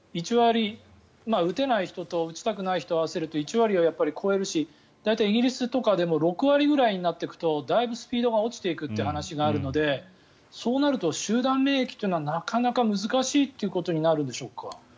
打てない人と打ちたくない人を合わせると１割は超えるし大体、イギリスとかでも６割ぐらいになっていくとだいぶスピードが落ちていくという話があるのでそうなると集団免疫はなかなか難しいということになるんでしょうか。